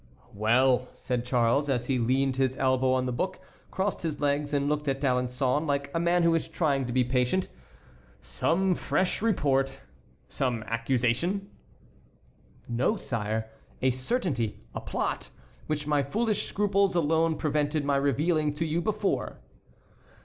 "Well," said Charles, as he leaned his elbow on the book, crossed his legs, and looked at D'Alençon like a man who is trying to be patient. "Some fresh report, some accusation?" "No, sire, a certainty, a plot, which my foolish scruples alone prevented my revealing to you before."